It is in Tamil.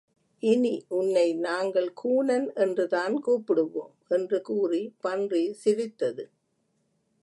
இனி, உன்னை நாங்கள் கூனன் என்று தான் கூப்பிடுவோம். என்று கூறி பன்றி சிரித்தது.